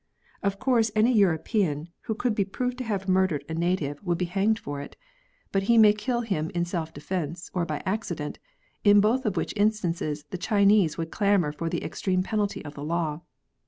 Of course any European who could be proved to have murdered 84 JURISPRUDENCE. a native would be hanged for it ; but he may kill him in self defence or by accident, in both of which in stances the Chinese would clamour for the extreme penalty of the law.